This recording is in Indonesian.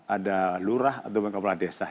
ada lurah atau angkap pula desa